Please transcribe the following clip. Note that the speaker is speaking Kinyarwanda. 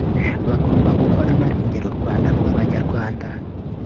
Bagomba guhora barengera u Rwanda rw’ abanyarwanda